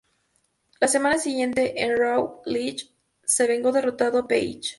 La semana siguiente en Raw, Lynch se vengó derrotando a Paige.